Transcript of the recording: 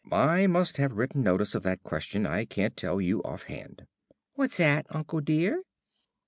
"I must have written notice of that question. I can't tell you offhand." "What's 'at, uncle dear?"